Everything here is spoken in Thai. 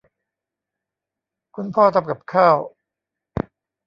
คุณพ่อทำกับข้าว